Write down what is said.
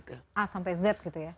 a sampai z gitu ya